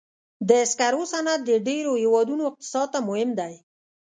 د سکرو صنعت د ډېرو هېوادونو اقتصاد ته مهم دی.